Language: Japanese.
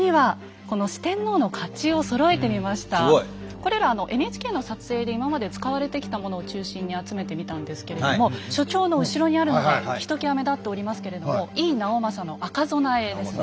これらはＮＨＫの撮影で今まで使われてきたものを中心に集めてみたんですけれども所長の後ろにあるのがひときわ目立っておりますけれども赤備えですね。